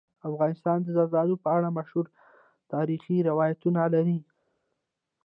افغانستان د زردالو په اړه مشهور تاریخی روایتونه لري.